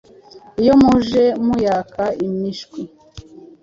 Iyo muje muyaka imishwi